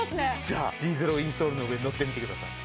じゃあＧゼロインソールの上にのってみてください。